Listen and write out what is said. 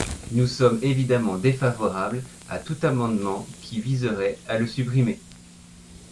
Nous sommes évidemment défavorables à tout amendement qui viserait à le supprimer.